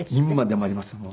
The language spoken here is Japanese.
今でもあります。